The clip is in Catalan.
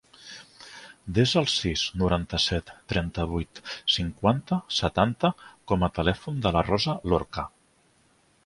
Desa el sis, noranta-set, trenta-vuit, cinquanta, setanta com a telèfon de la Rosa Lorca.